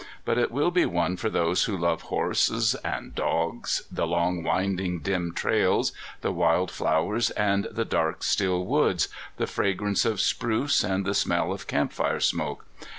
But it will be one for those who love horses and dogs, the long winding dim trails, the wild flowers and the dark still woods, the fragrance of spruce and the smell of camp fire smoke.